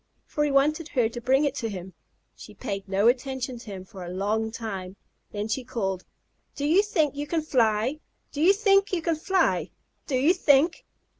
for he wanted her to bring it to him. She paid no attention to him for a long time. Then she called: "Do you think you can fly? Do you think you can fly? Do you think?"